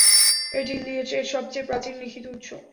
এটি "ইলিয়াড"-এর সবচেয়ে প্রাচীন লিখিত উৎস।